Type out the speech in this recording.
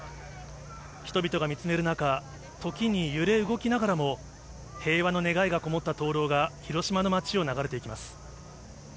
人々が見つめる中、時に揺れ動きながらも、平和の願いが込もった灯籠が広島の街を流れていきます。